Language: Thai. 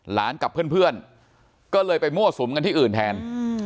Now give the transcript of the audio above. กับเพื่อนก็เลยไปมั่วสุมกันที่อื่นแทน